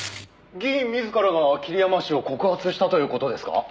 「議員自らが桐山氏を告発したという事ですか？」